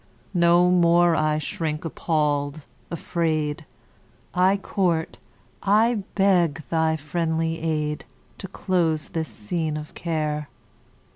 Nor more I shrink appall'd, afraid; I court, I beg thy friendly aid, To close this scene of care!